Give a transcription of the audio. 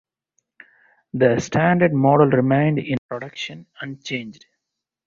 The standard model remained in production unchanged.